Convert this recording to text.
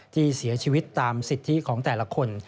ที่เสียชีวิตตามสิทธิของแต่ละคน